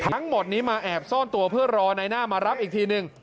ทั้งหมดนี้มาแอบซ่อนตัวเพื่อรอนายหน้ามารับอีกทีหนึ่ง